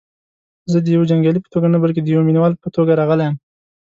زه دیوه جنګیالي په توګه نه بلکې دیوه مینه وال په توګه راغلی یم.